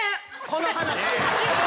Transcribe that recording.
この話。